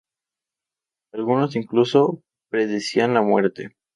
Algunos incluso predecían la muerte.